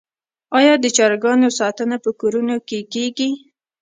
آیا د چرګانو ساتنه په کورونو کې کیږي؟